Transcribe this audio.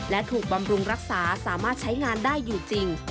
และถูกบำรุงรักษาสามารถใช้งานได้อยู่จริง